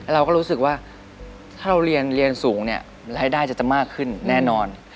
เราก็รู้สึกว่าถ้าเราเรียนสูงเนี่ยรายได้จะมากขึ้นแน่นอน